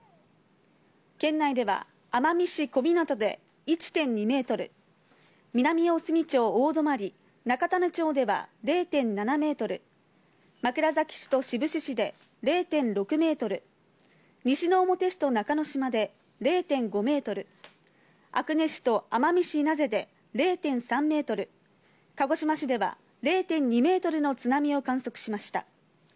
県内では、奄美市小湊で１．２メートル、南大隅町大泊中種子町では０．７メートル、枕崎市と志布志市で０．６メートル、西之表市の中之島で０．５メートル、阿久根市と奄美市名瀬で０．３メートル、鹿児島市では０．２メートルの津波を観測しました。